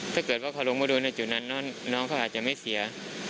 ถ้าเกิดว่าเขาลงมาดูในจุดนั้นน้องเขาอาจจะไม่เสีย